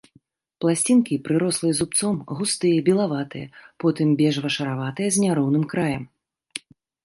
Пласцінкі прырослыя зубцом, густыя, белаватыя, потым бежава-шараватыя, з няроўным краем.